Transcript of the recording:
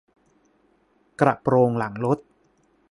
กระโปรงหลังรถ